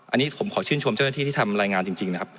อันนี้ผมขอชื่นชมเจ้าหน้าที่ที่ทำรายงานจริงนะครับ